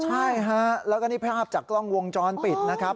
ใช่ฮะแล้วก็นี่ภาพจากกล้องวงจรปิดนะครับ